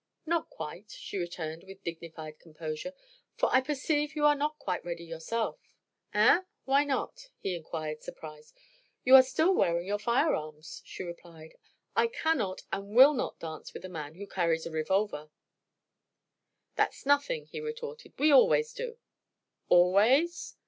"Not quite," she returned with dignified composure; "for I perceive you are not quite ready yourself." "Eh? Why not?" he inquired, surprised. "You are still wearing your firearms," she replied. "I cannot and will not dance with a man who carries a revolver." "That's nothing," he retorted. "We always do." "Always?"